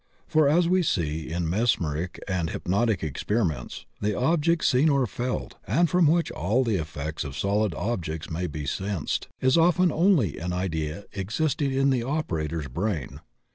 For, as we see in mesmeric and hypnotic experiments, the object seen or felt, and from which all the effects of solid objects may be sensed, is often only an idea existing in the operator's brain.